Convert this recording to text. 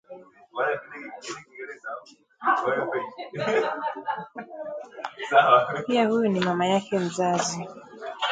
pia huyu ni mama yake mzazi